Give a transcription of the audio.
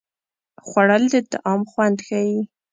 خوړل د طعام خوند ښيي